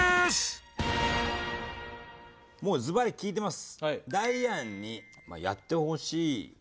もうすばり聞いてます。